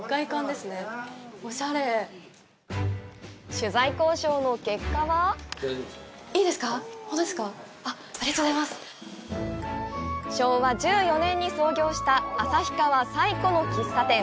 取材交渉の結果は昭和１４年に創業した旭川最古の喫茶店。